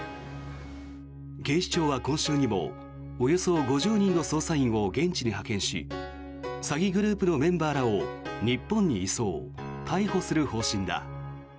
警視庁は今週にもおよそ５０人の捜査員を現地に派遣し詐欺グループのメンバーらを日本に移送・逮捕する方針だ。